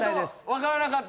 分からなかった。